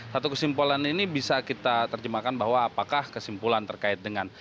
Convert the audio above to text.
satu kesimpulan ini bisa kita terjemahkan bahwa apakah kesimpulan terkait dengan